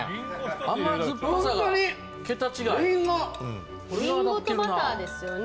甘酸っぱさが桁違いりんごとバターですよね